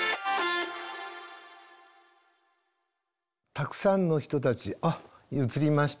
たくさんの人たちあっ映りましたね。